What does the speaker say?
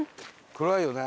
暗いよね。